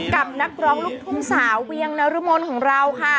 กับนักร้องลูกทุ่งสาวเวียงนรมนของเราค่ะ